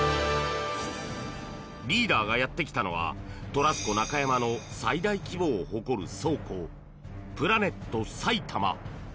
リーダーがやってきたのはトラスコ中山の最大規模を誇る倉庫プラネット埼玉。